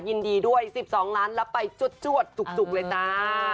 ยินดีด้วย๑๒ล้านรับไปจวดจุกเลยจ้า